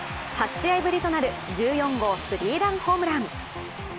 ８試合ぶりとなる１４号スリーランホームラン。